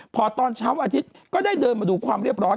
พอตอนเช้าอาทิตย์ก็ได้เดินมาดูความเรียบร้อย